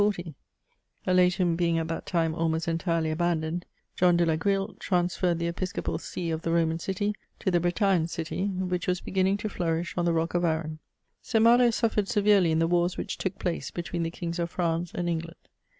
Aletum being at that time almost entirely abandoned, John de la Grille transferred the episcopal see of the Roman city to the Bretagne city, which was be^nning to flourish on the rock of Aaron. St. Malo suffered severely in the wars which took place between the Kings of France and England.